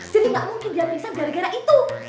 jadi nggak mungkin dia pingsan gara gara itu